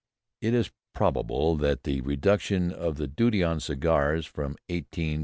It is probable that the reduction of the duty on cigars from 18s.